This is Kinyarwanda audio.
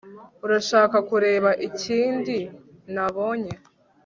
urashaka kureba ikindi nabonye